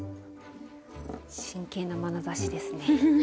真剣なまなざしですね。